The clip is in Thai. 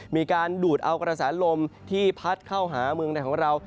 มีการดูดเอากระแสลมที่พัดเข้าหาเมืองในของเรา